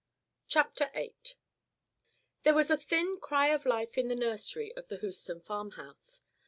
CHAPTER VIII There was a thin cry of life in the nursery of the Houston farm house.